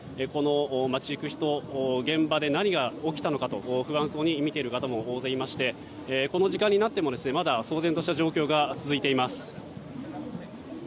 街行く人、現場で何が起きたのかと不安そうに見ている方も大勢いましてこの時間になっても、まだ騒然とした状況が続いています。